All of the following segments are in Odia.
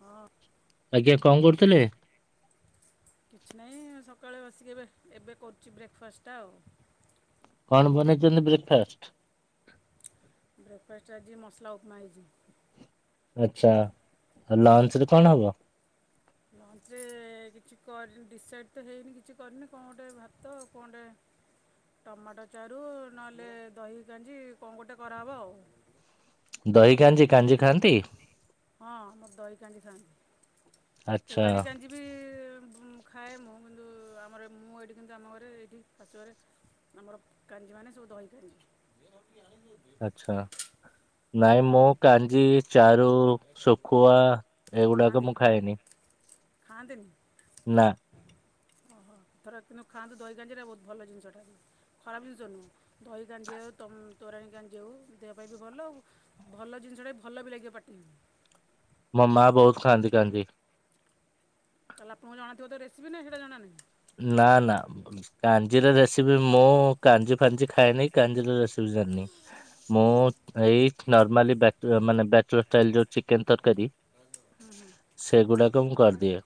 ହଁ ଆଜ୍ଞା କଣ କରୁଥିଲେ କିଛି ନାହିଁ ସକାଳେ ବସିକି ଏବେ ଏବେ କରୁଛି ବ୍ରେକ୍ଫାଷ୍ଟଟା ଆଉ କଣ ବନେଇଛନ୍ତି ବ୍ରେକ୍ଫାଷ୍ଟ ବ୍ରେକ୍ଫାଷ୍ଟ ଆଜି ମସଲା ଉପମା ହୋଇଇଛି ଆଚଛା ଆଉ ଲଞ୍ଚ ରେ କଣ ହବ ଲଞ୍ଚରେ କିଛି କରିନି ଡିସାଇଡ଼୍ ତ ହେଇନି କିଛି କରିନି କଣ ଗୋଟେ ଭାତ ଆ କଣ ଗୋଟେ ଟମାଟୋ ଚାରୁ ନହେଲେ ଦହି କାଞ୍ଜି କଣ ଗୋଟେ କରାହେବ ଆଉ ଦହି କାଞ୍ଜି କାଞ୍ଜି ଖାଆନ୍ତି। ହଁ ମୋର ଦହି କାଞ୍ଜି ଖାଆନ୍ତି ଆଚ୍ଛା ତୋରାଣୀ କାଞ୍ଜି ବି ସବୁ ମୁଁ ଖାଏ ମୁଁ କିନ୍ତୁ ଆମର ମୁଁ ଏଇଠି କିନ୍ତୁ ଆମ ଘରେ ଏଇଠି ଫାଶୁ ଘରେ ଆମର କାଞ୍ଜି ମାନେ ସବୁ ଦହି କାଞ୍ ଆଛା ନାଇଁ ମୁଁ କାଞ୍ଜି ଚାରୁ ଶୁଖୁଆ ଖାଆନ୍ତି ଏଇଗୁଡାକ ମୁଁ ଖାଏନି ଖାଆନ୍ତିନି ନା ଓହୋ ଧର କିନ୍ତୁ ଖାଆନ୍ତୁ ଦହିକାଞ୍ଜିଟା ବହୁତ ଭଲ ଜିନିଷଟା ଖରାପ ଜିନିଷ ନୁହେଁ। ଦହି କାଞ୍ଜି ଆଉ ତୋ-ତୋରାଣ କାଞ୍ଜି ହେଉ ଦେହ ପାଇଁ ବି ଭଲ ଆଉ ଭଲ ଜିନିଷଟା ଭଲ ବି ଲାଗିବ ପାଟି ହୁଁ ମୋ ମା ବହୁତ କାଞ୍ଜି ଖାନ୍ତି ତାହେଲେ ଆପଣକୁ ଜଣାଥିବ ତ ରେସିପି ନା ସେଇଟା ଜଣା ନାହିଁ। ନା ନା କାଞ୍ଜିର ରେସିପି ମୁଁ କାଞ୍ଜି ଫାଞ୍ଜି ଖାଏନି କାଞ୍ଜିର ରେସିପି ଜାଣିିନି। ମୁଁ ଏଇ ନର୍ମାଲି ବ୍ୟାଚ ମାନେ ବ୍ୟାଚଷ୍ଟାଇଲର ଚିକେନ ତରକାରୀ ହୁଁ ହୁଁ ସେଗୁଡାକ ମୁଁ କରିଦିଏ।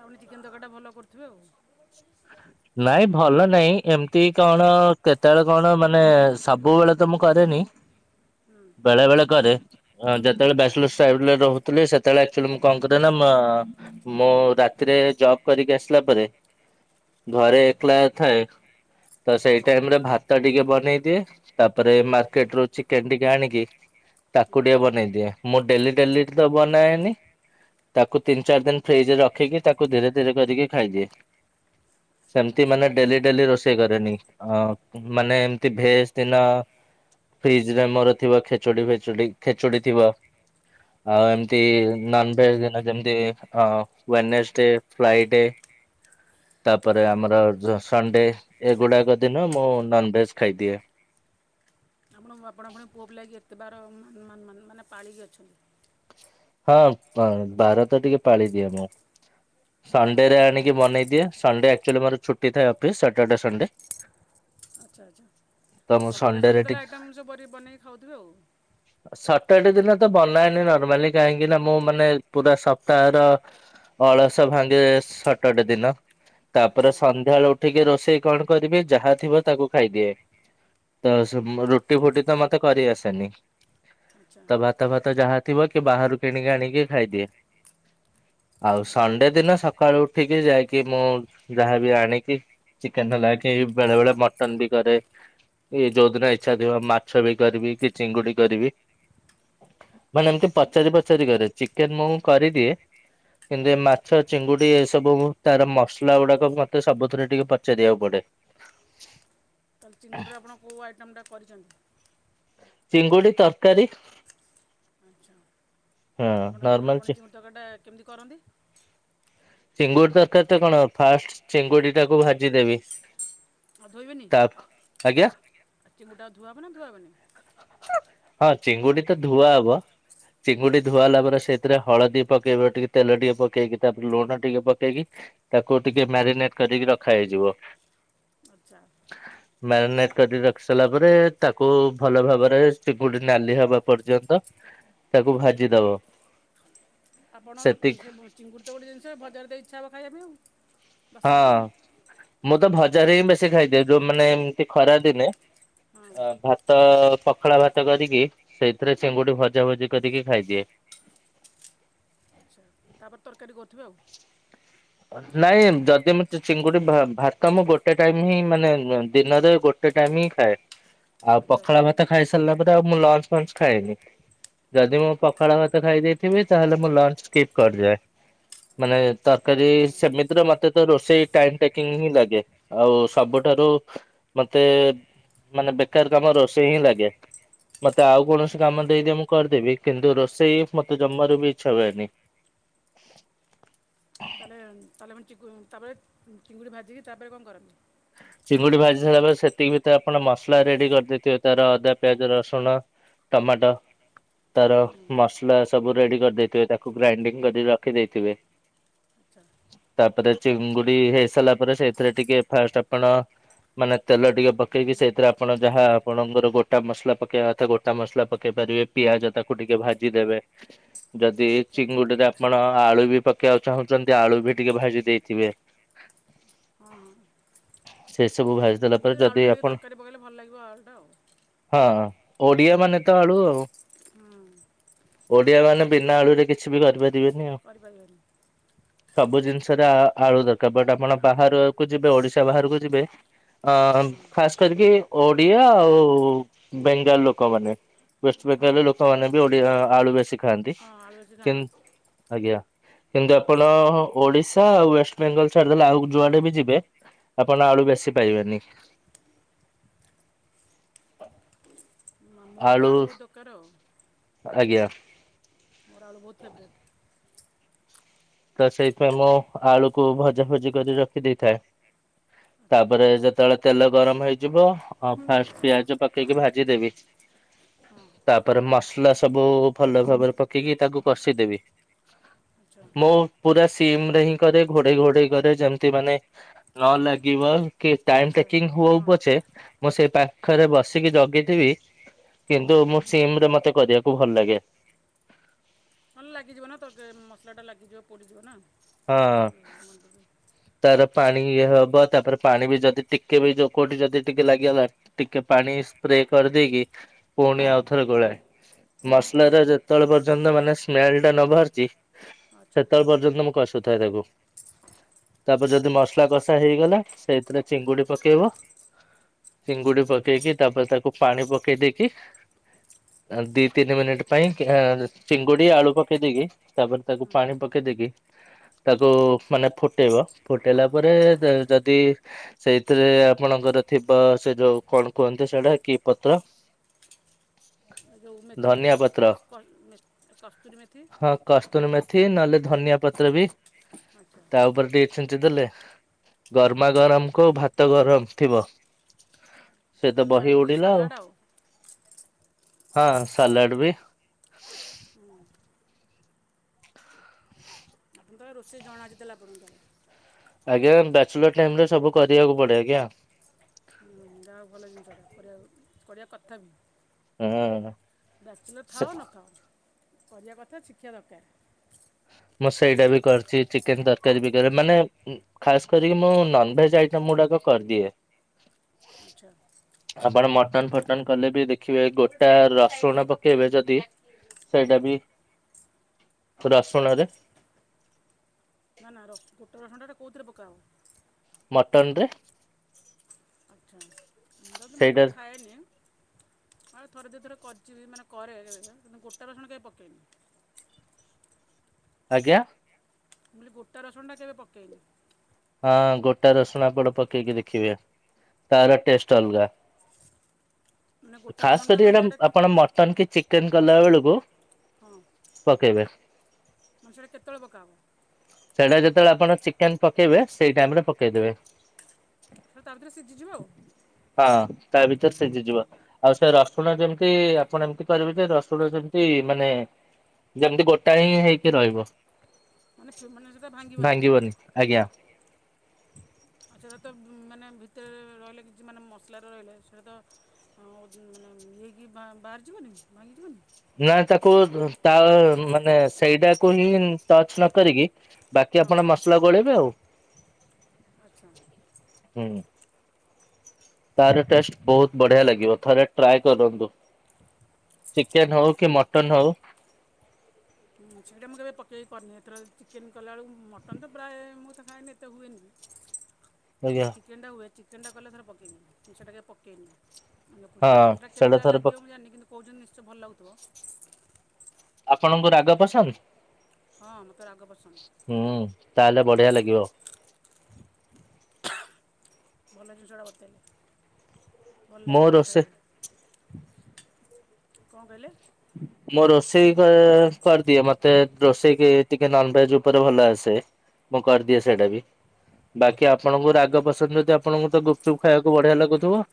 ତାପରେ ଚିକେନ ତରକାରୀଟା ଭଲ କରୁଥିବେ ଆଉ ହଁ ନାଇଁ ଭଲ ନାଇଁ ଏମିତି କଣ କେତେବେଳେ କଣ ମାନେ ସବୁବେଳେ ତ ମୁଁ କରେନି। [unintelligible] ହୁଁ ବେଳେ ବେଳେ କରେ ଅ ଯେତେବେଳେ [unintelligible] ରହୁଥିଲେ ସେତେବେଳେ ଆକଚୁଆଲି ମୁଁ କଣ କରେ ନା ମ ମୁଁ ରାତିରେ ଜବ୍ କରିକି ଆସିଲା ପରେ ଘରେ ହଁ ଏକଲା ଥାଏ ତ ହଁ ସେଇ ଟାଇମରେ ଭାତ ଟିକେ ବନେଇ ଦିଏ। ତାପରେ ମାର୍କେଟରୁ ଚିକେନ ଟିକେ ଆଣିକି ତାକୁ ଟିକେ ବନେଇ ଦିଏ ମୁଁ ଡେଲି ଡେଲି ତ ବନାଏନି ତାକୁ ତିନି ଚାରି ଦିନ ଫ୍ରିଜରେ ରଖିକି ତାକୁ ଧୀରେ ଧୀରେ କରିକି ଖାଇଦିଏ। ସେମତି ଆଚ୍ଛା ମାନେ ଡେଲି ଡେଲି ରୋଷେଇ କରେନି ଅ ହୁଁ ମାନେ ଏମତି ଭେଜ ଦିନ ଫ୍ରିଜରେ ମୋର ଥିବା ଖେଚୁଡି ଫେଚୁଡି ଖେଚୁଡି ଥିବ। ଆଉ ଏମତି ନନଭେଜ ଦିନ ଯେମତି ଅ ୱେନେସ୍ ଡେ ଫ୍ଲାଇ ଡେ ତାପରେ ଆମର ଜ ସଣ୍ଡେ ଏଗୁଡାକ ଦିନ ମୁଁ ନନଭେଜ ଖାଇଦିଏ। ଆପଣ ଆପଣ ପୁଣି ପୁଅ ହେଇକି ଏତେ ବାର ମାନ-ମା-ମା-ମା-ମାନେ ପାଳିକି ଅଛନ୍ତି। ହଁ ବାର ତ ଟିକେ ପାଳିଦିଏ ମୁଁ ଯାହା ସଣ୍ଡେରେ କରିବା କଥା ଆଣିକି ନୁହେଁ। ବନେଇଦିଏ। ସଣ୍ଡେ ଆକ୍ଚୁଆଲି ମୋର ଛୁଟି ଥାଏ ଅଫିସ୍ ସାଟର୍ଡେ ସଣ୍ଡେ ଆଚ୍ଛା ଆଚ୍ଛା ତ ମୁଁ ସଣ୍ଡେ ରେ [unintelligible] ଟିକେ ଆଇଟମ୍ଷ ସଵ୍ ର ବନେଇକି ଖାଉଥିବେ ଆଉ। ସଟର ଡେ ଦିନ ତ ବନାଏନି ନର୍ମାଲି କାହିଁକିନା ମୁଁ ମାନେ ପୁରା ସପ୍ତାହର ଅଳସ ଭାଙ୍ଗେ ସଟର ଡେ ଦିନ ଆଚ୍ଛା ତାପରେ ସନ୍ଧ୍ୟାବେଳ କୁ ଉଠିକି ରୋଷେଇ କଣ କରିବି ଯାହା ଥିବ ତାକୁ ଖାଇଦିଏ। ତ ସୁ ରୁଟି ଫୁଟିତ ମତେ କରି ଆସେନି ଆଚ୍ଛା ତ ଭାତ ଫାତ ଯାହା ଥିବ କି ବାହାରୁ କିଣିକି ଆଣିକି ଖାଇଦିଏ। ଆଉ ଆଚ୍ଛା ଆଚ୍ଛା ସଣ୍ଡେ ଦିନ ସକାଳୁ ଉଠିକି ଯାଇକି ମୁଁ ଯାହାବି ଆଣିକି ଚିକେନ ତ ନାକି ଏଇ ବେଳେ ବେଳେ ମଟନ ବି କରେ। ଏଇ ଯୋଉଦିନ ଇଚ୍ଛା ଥିବ ମାଛ ବି କରିବି କି ଚିଙ୍ଗୁଡି କରିବି। ମାନେ ଏମତି ଦେଖିନି ପଚାରି ପଚାରି କରେ ଚିକେନ ମୁଁ କରିଦିଏ। କିନ୍ତୁ ହୁଁ ଏ ମାଛ ଚିଙ୍ଗୁଡି ଏସବୁ ତାର ମସଲା ଗୁଡାକ ମତେ ସବୁଥିରେ ଟିକେ ପଚାରିବାକୁ ପଡେ। [unintelligible] ତାହେଲେ ଚିଙ୍ଗୁଡ଼ିରେ ଆପଣ କଉଁ ଆଇଟମ୍ ଟା କରିଛନ୍ତି? ଚିଙ୍ଗୁଡି ତରକାରୀ। ଆଚ୍ଛା ହଁ ଆପଣ ନର୍ମାଲ ଆପଣ ଚିଙ୍ଗୁଡି ତରକାରୀ କେମିତି କରନ୍ତି? ଚିଙ୍ଗୁଡ଼ି ତରକାରୀ ତ କଣ ଫାଷ୍ଟ ଚିଙ୍ଗୁଡ଼ି ଟାକୁ ଭାଜିଦେବି। ଆଉ ଧୋଇବେନି ତା ଆଜ୍ଞା ଆଉ ଚିଙ୍ଗୁଟା ଧୁଆ଼ ହବ ନା ଧୁଆ ହବନି? ହଁ ଚିଙ୍ଗୁଡି ତ ଧୁଆ ହବ ଚିଙ୍ଗୁଡି ଧୁଆଇଲା ପରେ ସେଥିରେ ହଳଦୀ ପକେଇବ ଟିକେ ତେ ଟିକେ ପକେଇକି ତାପରେ ଲୁଣ ଟିକେ ପକେଇକି ତାକୁ ଟିକେ ମ୍ୟାରିନେଟ କରିକି ରଖା ହେଇଯିବ ଆଚ୍ଛା ହ [inaudible] ମ୍ୟାରିନେଟ କର ରଖି ସାରିଲା ପରେ ତାକୁ ଭଲ ଭାବରେ ଚିଙ୍ଗୁଡି ନାଲି ହବା ପର୍ଯ୍ୟନ୍ତ ତାକୁ ଭାଜିଦବ ଆପଣ ସେତିକି ସେ ଚିଙ୍ଗୁଡ଼ି ତ ଗୋଟେ ଜିନିଷ ଭଜାର ଦେଇ ଇଚ୍ଛା ହେବ ଖାଇବା ପାଇଁ ଆଉ ବାସ୍ନାରେ ହଁ ଆଉ ମୁଁ ତ ଭଜାରେ ହିଁ ବେଶୀ ଖାଇଦିଏ ଯୋଉ ମାନେ ଏମତି ଖରା ଦିନେ ହଁ ଅ ଭ ତ ପଖଳା ଭାତ କରିକି ସେଇଥିରେ ଚିଙ୍ଗୁଡି ଭଜା ଭଜି କରିକି ଖାଇଦିଏ ଆଚ୍ଛା ତାପରେ ତରକାରୀ କରୁଥିବେ ଆଉ ନାଇଁ ଯଦି ମୁଁ ଚିଙ୍ଗୁଡି ଭାତ ମୁଁ ଗୋଟେ ଟାଇମ ହିଁ ମାନେ ଦିନରେ ଗୋ ଗୋଟେ ଟାଇମ୍ ହିଁ ଖାଏ ଆଉ ଆଚ୍ଛା ଆଚ୍ଛା ପଖାଳ ଭାତ ଖାଇସାରିଲା ପରେ ଆଉ ମୁଁ ଲଞ୍ଚ ଫଞ୍ଚ ଖାଏନି ଯଦି ମୁଁ ପଖାଳ ଭାତ ଖାଇଦେଇଥିବି ତାହେଲେ ମୁଁ ଲଞ୍ଚ ସ୍କିପ୍ କରିଦିଏ ମାନେ ତରକାରୀ ଆଚ୍ଛା ଆଉ ସେମିତି ମତେ ତ ରୋଷେଇ ଟାଇମ ଟେକିଂ ହିଁ ଲାଗେ ଆଉ ସବୁଠାରୁ ମତେ ମାନେ ବେକାର କାମ ରୋଷେଇ ହିଁ ଲାଗେ ମତେ ଆଉ କୌଣସି କାମ ଦେଇଦିଅ ମୁଁ କରିଦେବି କିନ୍ତୁ ରୋଷେଇ ମତେ ଜମବାର ବି ଇଚ୍ଛା ହୁଏନି ତଳେ ତଳମଣ୍ ଚ ତାପରେ ଚିଙ୍ଗୁଡ଼ି ଭାଜିକି ତାପରେ କଣ କରନ୍ତି ଚିଙ୍ଗୁଡ଼ି ଭାଜି ସାରିଲା ପରେ ସେତିକି ଭିତରେ ଆପଣ ମସଲା ରେଡି କରିଦେଇଥିବ ତାର ଅଦା ପିଆଜ ରସୁଣ ଟମାଟୋ ତାର ହୁଁ ମସଲା ସବୁ ରେଡି କରିଦେଇଥିବେ ତାକୁ ଗ୍ରାଇଣ୍ଡିଙ୍ଗ କରି ରଖି ଦେଇେଇଥିବେ ଆଚ୍ଛା ତାପରେ ଚିଙ୍ଗୁଡି ହେଇସାରିଲା ପରେ ସେଇଥିରେ ଟିକେ ଫାଷ୍ଟ ଆପଣ ମାନେ ତେଲ ଟିକେ ପକେଇକି ସେଇଥିରେ ଆପଣ ଯାହା ଆପଣଙ୍କର ଗୋଟା ମସଲା ପକେଇବା କଥା ଗୋଟା ମସଲା ପକେଇ ପାରିବେ ପିଆଜ ତାକୁ ଟିକେ ଭାଜିଦେବେ ଯଦି ଆଚ୍ଛା ଚିଙ୍ଗୁଡିରେ ଆପଣ ଆଳୁ ବି ପକେଇବାକୁ ଚାହୁଁଛନ୍ତି ଆଳୁ ବି ଟିକେ ଭାଜି ଦେଇଥିବେ ହଁ ହଁ ସେ ସବୁ ଭାଇ ଏମତି ଆଳୁ ଟିକେ ତରକାରୀ ପକେଇଲେ ଭଲ ଲାଗିବ ଆଳୁଟା ଆଉ ହଁ ଓଡିଆ ମାନେ ତ ଆଳୁ ଆଉ ହଁ ଓଡିଆ ମାନେ ବିନା ଆଳୁରେ କିଛି ବି କରିପାରିବେନି ଆଉ କରିପାରିବେନି ସବୁ ଜିନିଷରେ ଆଳୁ ଦରକାର ବଟ ଆପଣ ଆଳୁ ବାହାରକୁ ଯିବେ ଓଡିଶା ସେ ବାହାରକୁ ଯିବେ ଅ ହଁ ଖାସ କରିକି ଓଡିଆ ଆଉ ବେଙ୍ଗାଲ ଲୋକମାନୋନ ୱେଷ୍ଟ ହଁ ବେଙ୍ଗାଲ ଲୋକମାନେ ଓଡ଼ିଆ ଆଳୁ ବେଶୀ ଖାଆନ୍ତି ହଁ ଆଳୁ ବେଶୀ ଖାଆନ୍ତି କିନ୍ତ ଆଜ୍ଞା କିନ୍ତୁ ଆପଣ ଓଡିଶା ଆଉ ୱେଷ୍ଟ ବେଙ୍ଗଲ ଛାଡିଦେଲେ ଆଉ ଯୁଆଡେ ବି ଯିବେ ଆପଣ ଆଳୁ ବେଶୀ ପାଇବେନି ମୋର ତ ଆଳୁ ବହୁତ ଦରକାର ଆଉ ଆଜ୍ଞା ମୋର ଆଳୁ ବହୁତ ଫେବରଟ୍ ତ ସେଇପାଇଁ ମୁଁ ଆଳୁକୁ ଭଜା ଭଜି କରି ରଖି ଦେଇଥାଏ ଆଚ୍ଛା ତାପରେ ଯେତେବେଳେ ତେଲ ଗରମ ହେଇଯିବ ହଁ ଫାଷ୍ଟ ପିଆଜ ପକେଇକି ଭାଜିଦେବି ହଁ ତାପରେ ମସଲା ସବୁ ଭଲ ଭାବରେ ପକେଇକି ତାକୁ କଷିଦେବି ଆଚ୍ଛା ମୁଁ ପୁରା ସିମ ରେ ହିଁ କରେ ଘୋଡେଇ ଘୋଡେଇ କରେ ଯେମତି ମାନେ ନ ଲାଗିବ କି ଟାଇମ ଆଚ୍ଛା ଟେକିଙ୍ଗ ହଉ ହଁ ପଛେ ମୁଁ ସେଇ ପାଖରେ ବସିକି ଜଗିଥିବି କିନ୍ତୁ ମୁଁ ସିମରେ ମତେ କରିବାକୁ ଭଲ ଲାଗେ। ନ ହେଲେ ଲାଗିଯିବ ନା ତୋତେ ମସଲାଟା ଲାଗିଯିବ ପଡ଼ିଯିବ ନା। ହଁ ଆସୁ ମନେ ପଡ଼ୁ ହଁ ତାର ପାଣି ଇଏ ହବ ତାପରେ ପାଣି ବି ଯଦି ଟିକେ ବି ଯଉ କଉଠି ଯଦି ଟିକେ ଲାଗିଗଲା ଟିକେ ପାଣି ସ୍ପ୍ରେ କରିଦେଇକି ପୁଣି ଆଉଥରେ ଗୋଳାଏ ମସଲାର ଯେତେବେଳେ ପର୍ଯ୍ୟନ୍ତ ମାନେ ସ୍ମେଲ ଟା ନ ବାହାରିଚି ଆଚ୍ଛା ସେତେବେଳେ ପର୍ଯ୍ୟନ୍ତ ମୁଁ କଷ୍ [unintelligible] ତାପରେ ଯଦି ମସଲା କଷା ହେଇଗଲା ସେଇଥିରେ ଚିଙ୍ଗୁଡି ପକେଇବ ଚିଙ୍ଗୁଡି ଆଚ୍ଛା ପକେଇକି ହୁଁ ତାପରେ ତାକୁ ପାଣି ପକେଇ ଦେଇକି ଦୁଇ ତିନି ମିନିଟ୍ ପାଇଁ ଏଁ ଚିଙ୍ଗୁଡି ଆଳୁ ପକେଇ ଦେଇକି ତାପରେ ତାକୁ ପାଣି ପକେଇଦେଇକି ତାକୁ ମାନେ ଫୁଟେଇବ ଫୁଟେଇଲା ପରେ ଯଦି ସେଇଥିରେ ଆପଣଙ୍କର ଥିବା ସେ ଯୋଉ କଣ କୁହନ୍ତି ସେଇଟା କି ପତ୍ର ଯୋଉ ମେଥି, ଧନିଆ ପତ୍ର କସ୍ କସ୍ କସ୍ତୁରୀ ମେଥି ହଁ କସ୍ତୁରୀ ମେଥି ନହେଲେ ଧନିଆ ପତ୍ର ବି ଆଚ୍ଛା ତା ଉପରେ ଟିକେ ଛିଞ୍ଚିଦେଲେ ଗରମା ଗରମକୁ ଭାତ ଗରମ ଥିବ ସେ ତ ଆଉ ବହି ସାଇଡ଼୍ ଟିକେ ଉଡିଲା ଆଉ ସାଲାଡ଼ ହଁ ସାଲାଡ ବି ହୁଁ ଆପଣଙ୍କୁ ତାହେଲେ ରୋଷେଇ ଜଣା ଅଛି ତାହେଲେ ଆପଣଙ୍କର ଆଜ୍ଞା ବ୍ୟାଚଲର ଟାଇମ ରେ ସବୁ କରିବାକୁ ପଡେ ଆଜ୍ଞା ହୁଁ ଯାହା ଭଲ ଜିନିଷଟା କରିବା କରିବା କଥା ବି ହୁଁ ହୁଁ ବ୍ୟାଚଲର ଥାଅ ନଥାଅ କରିବା କଥା ଶିଖିଆ ଦରକାର। ମୁଁ ସେଇଟା ବି କରିଚି ଚିକେନ ତରକାରୀ ବି କରେ ମାନେ ଖାସ କରିକି ମୁଁ ନନଭେଜ୍ ଆଇଟମ ଗୁଡାକ କରିଦିଏ। ଆଚ୍ଛା! ଆପଣ ମଟନ ଫଟନ କଲେ ବି ଦେଖିବେ ଗୋଟା ରସୁଣ ପକେଇବେ ଯଦି କେଉଁଥିରେ ସେଇଟା ବି ରସୁଣରେ ନା ନା ରସ୍ [unintelligible] କଉଥିରେ ପକାହବ? ମଟନରେ ଆଚ୍ଛା ଯଦି ସେଇଟା ମଟନ୍ ଖାଏନି ହଁ ଥରେ ଦି ଥରେ କରିିଚି ମାନେ କରେ କେବେ କିନ୍ତୁ ଗୋଟା ରସୁଣ କେବେ ପକେଇନି। ଆଜ୍ଞା! ମୁଁ କହିଲି ଗୋଟା ରସୁଣଟା କେବେ ପକେଇନି। ହଁ ଗୋଟା ରସୁଣ ଆପଣ ପକେଇକି ଦେଖିବେ ତାର ଟେଷ୍ଟ ଅଲଗା। ମାନେ ଗୋଟା ଖାସ୍ ରସୁଣଟା କରି ମାନେ ଏଇଟା ଆପଣ ମଟନ କି ଚିକେନ କଲା ବେଳକୁ ହଁ ପକେଇବେ। ମାନେ ସେଇଟା କେତେବେଳକୁ ପକା ହବ? ସେଇଟା ଯେତେବେଳେ ଆପଣ ଚିକେନ ପକେଇବେ ସେଇ ଟାଇମ ରେ ପକେଇଦେବେ। ସେ ତା ଭିତରେ ସିଝିଯିବ ଆଉ। ହଁ ତା ଭିତରେ ସିଜିଯିବ। ଆଉ ସେ ରସୁଣ ଯେମିତି ଆପଣ ଏମତି କରିବେ ଯେ ରସୁଣ ଯେମିତି ମାନେ ଯେମିତି ଗୋଟାଏ ହିଁ ହେଇକି ରହିବ ମାନେ ଫି- ମାନେ ସେଇଟା ଭାଙ୍ଗିବନି ଆଜ୍ଞା! ଆଉ ସେଟା ତ ମାନେ ଭିତରେ ରହିଲେ କିଛି ମାନେ ମସଲାରେ ରହିଲେ ସେଇଟା ତ ହଁ ମାନେ ଇଏକି ବାହାରିଯିବନି ଭାଙ୍ଗିଯିବନି। ନା ତାକୁ ତା ମାନେ ସେଇଟାକୁ ହିଁ ଟଚ ନ କରିକି ବାକି ହଁ ଆପଣ ମସଲା ଗୋଳେଇବେ ଆଉ ଆଚ୍ଛା ହୁଁ ତାର ଟେଷ୍ଟ ବହୁତୁ ବଢିଆ ଲାଗିବ ଥରେ ଟ୍ରାଏ କରନ୍ତୁ। ଚିକେନ ହଉ କି ମଟନ ହଉ ସେଇଟା ମୁଁ କେବେ ପକେଇକି କରିନି ଏଥରକ ଚିକେନ କଲାବେଳକୁ ମଟନ୍ ତ ପ୍ରାୟ ମୁଁ ତ ଖଏନି ଏତେ ହୁଏନି। [inaudible] ଚିକେନଟା ହୁଏ ଚିକେନଟା କଲେ ଥରେ ପକେଇବି ସେଇଟା କେବେ ପକେଇନି। ହଁ [unintelligible] ସେଇଟା କେମୀତିଆ ଥରେ ପ ଲାଗିବ ମୁ ଜାଣିନି କିନ୍ତୁ କହୁଛନ୍ତି ନିଶ୍ଚୟ ଭଲଲାଗୁଥିବ ଆପଣଙ୍କୁ ରାଗ ପସନ୍ଦ? ହଁ ମୋତେ ରାଗ ପସନ୍ଦ। ହୁଁ ତାହେଲେ ବଢିଆ ଲାଗିବ। ଭଲ ଜିନଷଟା ବତେଇଲେ ଭଲ ମୋ ଲାଗିବ ସେଇଟା ରୋଷେଇ ଖାଇବା ପାଇଁ। କଣ କହିଲେ? ମୁଁ ରୋଷେଇ କ କରିଦିଏ ମତେ ରୋଷେଇ କି ଟିକେ ନନ୍ ଭେଜ ଉପରେ ଭଲ ଆସେ। ମୁଁ କରିଦିଏ ସେଇଟା ବି। ବାକି ଆପଣଙ୍କୁ ରାଗ ପସନ୍ଦ ଯଦି ଆପଣଙ୍କୁ ତ ଗୁପଚୁପ୍ ଖାଇବାକୁ ବଢିଆ ଲାଗୁଥିବ।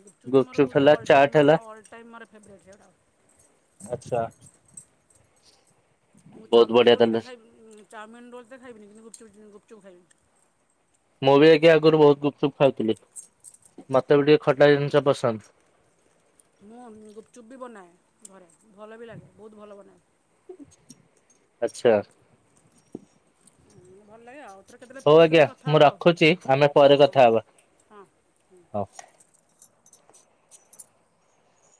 ଗୁପଚୁପ୍ ତ ମୋର ବହୁତ ହେଲା ଅଲ ଟାଇମ୍ ଚାଟ୍ ହେଲା ମାର ଅଲ୍ ଟାଇମ୍ ମୋର ଫେବରାଇଟ୍ ସେଗୁଡାକ। ଆଛା। ମୁଁ ଚାଉମିନ ରୋଲ୍ ହେତେ ଖାଇବି ଚାଉମିନ ରୋଲ୍ ଦେ ଖାଇବିନି କିନ୍ତୁ ଗୁପଚୁ ଗୁପଚୁପ ଖାଇବି। ମୁଁ ବି ଯାଇକି ଆଗରୁ ବହୁତ ଗୁପଚୁପ୍ ଖାଉଥିଲି ମତେ ବି ଟିକେ ଖଟା ଜିନିଷ ପସନ୍ଦ। ମୁଁ ଗୁପଚୁପ୍ ବି ବନାଏ ଘରେ ଭଲ ବି ଲାଗେ ବହୁତ ଭଲ ବନାଏ। ଆଚ୍ଛା। ଉଁ ଭଲ ଲାଗେ ଆଉ ଆଉ ଥରେ କେତେବେଳେ ହଉ ଫୋନ୍ ଆଜ୍ଞା କଲେ କଥା ମୁଁ ହେବା ଆଉ ରଖୁଛି ଆମେ ପରେ ହଁ କଥା ହଁ ହବା ହଁ ହୁଁ। ହଉ।